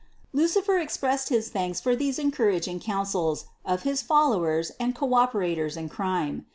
Lucifer expressed his thanks for these encourag ing counsels of his followers and co operators in crime.